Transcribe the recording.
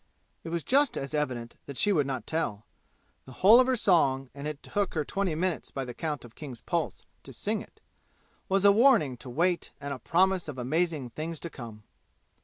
It was just as evident that she would not tell. The whole of her song, and it took her twenty minutes by the count of King's pulse, to sing it, was a warning to wait and a promise of amazing things to come.